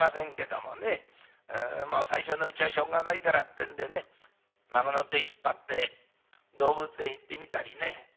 もう最初のうちはしょうがないからってんでね孫の手引っ張って動物園行ってみたりね